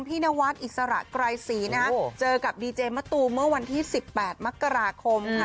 พี่นวัฒน์อิสระกรายศรีนะเจอกับดีเจมส์มัตตูเมื่อวันที่๑๘มกราคมค่ะ